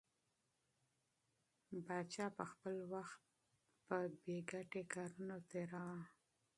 پاچا به خپل وخت په بې ګټې کارونو تېراوه.